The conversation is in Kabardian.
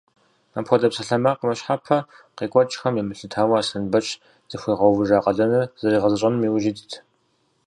Апхуэдэ псалъэмакъ мыщхьэпэ къекӏуэкӏхэм емылъытауэ, Аслъэнбэч зыхуигъэувыжа къалэныр зэригъэзэщӏэным иужь итт.